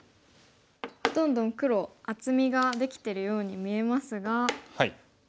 どんどん黒厚みができてるように見えますが。